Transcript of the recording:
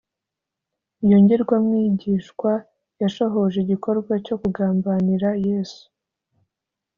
iyo ngirwamwigishwa yashohoje igikorwa cyo kugambanira yesu